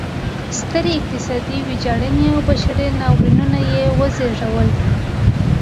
سترې اقتصادي ویجاړنې او بشري ناورینونه یې وزېږول.